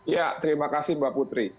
ya terima kasih mbak putri